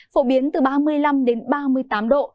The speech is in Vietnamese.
phổ biến từ ba mươi năm đến ba mươi tám độ